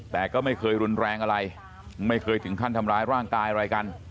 แต่ก็ไม่เคยรุนแรงอะไรไม่เคยถึงขั้นทำร้ายร่างกายอะไรกัน